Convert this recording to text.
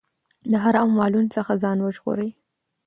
د حرامو مالونو څخه ځان وژغورئ.